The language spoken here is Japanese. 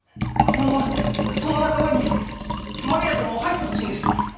そのその仲間にマリアさんも入ってほしいんです。